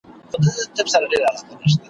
د جهاني له هري اوښکي دي را اوري تصویر ,